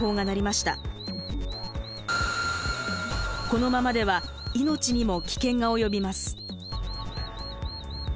このままでは命にも危険が及びます。